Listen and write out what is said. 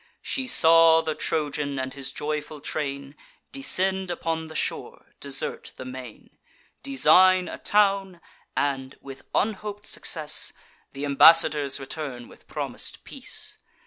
She saw the Trojan and his joyful train Descend upon the shore, desert the main, Design a town, and, with unhop'd success, Th' embassadors return with promis'd peace.